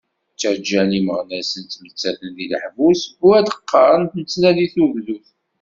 Ttaǧǧan imeɣnasen ttmettaten deg leḥbus, u ad d-qqaren nettnadi tugdut!